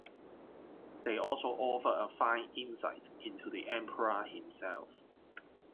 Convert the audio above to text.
They also offer a fine insight into the Emperor himself.